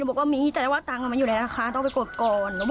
หนูบอกว่ามีแต่ต่างมันอยู่แล้วนะคะต้องไปกดก่อน